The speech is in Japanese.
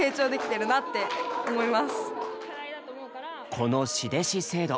この「師弟子制度」。